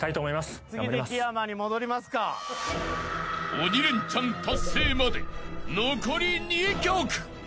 ［鬼レンチャン達成まで残り２曲］